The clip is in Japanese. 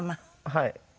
はい。